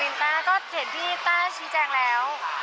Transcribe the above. ต้าก็เห็นพี่ต้าชี้แจงแล้ว